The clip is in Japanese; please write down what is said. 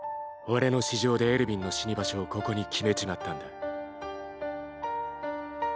俺の私情でエルヴィンの死に場所をここに決めちまったんだ。